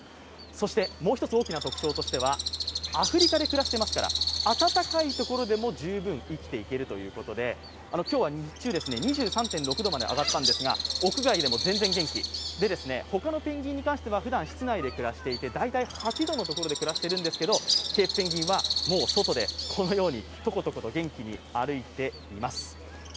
そしてもう一つ大きな特徴としてはアフリカで暮らしていますから、暖かいところでも十分生きていけるということで今日は日中、２３．６度まで上がったんですが屋外でも全然元気、他のペンギンに関してはふだん屋内で暮らしていて、大体８度のところで暮らしているんですけれども、ケープペンギンは外でこのようにトコトコと元気に歩いています。